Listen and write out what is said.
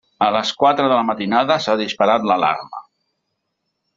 A les quatre de la matinada s'ha disparat l'alarma.